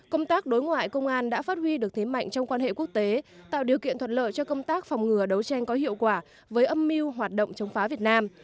công tác đối ngoại công an đã phát huy được thế mạnh trong quan hệ quốc tế tạo điều kiện thuận lợi cho công tác phòng ngừa đấu tranh có hiệu quả với âm mưu hoạt động chống phá việt nam